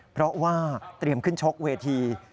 เพราะว่าเตรียมขึ้นชกเวที